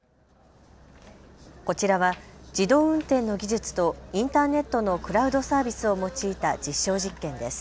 こちらは自動運転の技術とインターネットのクラウドサービスを用いた実証実験です。